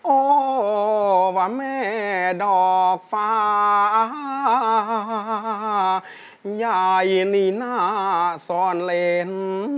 โอ้ว่าแม่ดอกฟ้ายายนี่น่าซ่อนเลน